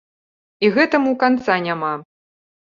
І гэтаму канца няма.